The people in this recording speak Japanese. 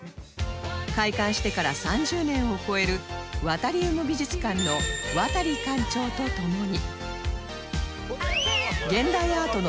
開館してから３０年を超えるワタリウム美術館の和多利館長と共に